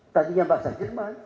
tadinya bahasa jerman